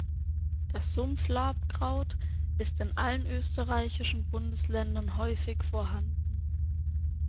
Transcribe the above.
Das Sumpf-Labkraut ist in allen österreichischen Bundesländern häufig vorhanden.